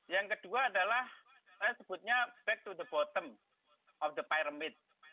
yang kedua adalah saya sebutnya back to the bottom of the pyramid